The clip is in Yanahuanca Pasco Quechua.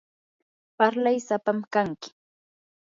parlay sapam kanki.